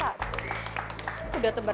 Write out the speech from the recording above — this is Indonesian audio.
aku udah kelas dua